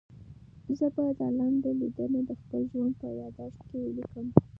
زه به دا لنډه لیدنه د خپل ژوند په یادښت کې ولیکم.